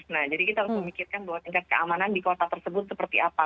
nah jadi kita harus memikirkan bahwa tingkat keamanan di kota tersebut seperti apa